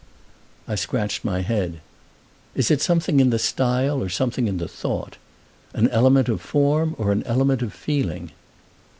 I scratched my head. "Is it something in the style or something in the thought? An element of form or an element of feeling?"